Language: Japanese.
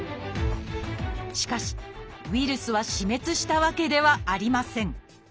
しかしウイルスは死滅したわけではありません。